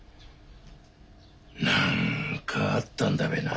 何かあったんだべな